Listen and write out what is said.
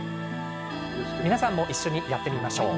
皆さんも一緒にやってみましょう。